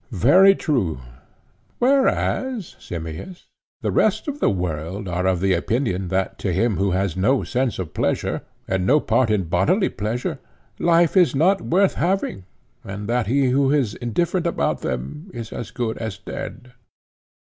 Very true. Whereas, Simmias, the rest of the world are of opinion that to him who has no sense of pleasure and no part in bodily pleasure, life is not worth having; and that he who is indifferent about them is as good as dead.